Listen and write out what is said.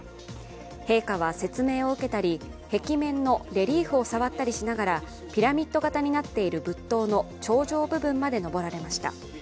陛下は、説明を受けたり壁面のレリーフを触ったりしながらピラミッド型になっている仏塔の頂上部分まで上られました。